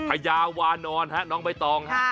พญาวานอนน้องใบตอง